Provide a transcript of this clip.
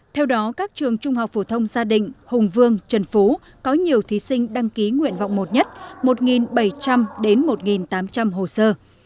theo đó các trường trung học phổ thông gia định hùng vương trần phú có nhiều thí sinh đăng ký nguyện vọng một nhất một bảy trăm linh đến một tám trăm linh hồ sơ